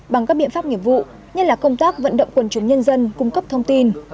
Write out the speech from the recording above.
bằng các biện pháp nghiệp vụ như là công tác vận động quần chúng nhân dân cung cấp thông tin